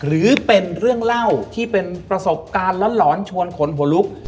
หรือเป็นเรื่องเล่าที่เป็นประสบการณ์หลอนชวนขนหัวลุก